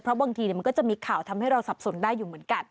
เพราะบางทีมันก็จะมีข่าวทำให้เราสับสนได้อยู่เหมือนกัน